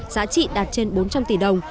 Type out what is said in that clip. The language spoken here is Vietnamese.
giá trị đạt trên bốn trăm linh tỷ đồng